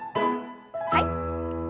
はい。